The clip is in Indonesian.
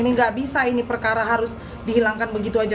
ini nggak bisa ini perkara harus dihilangkan begitu saja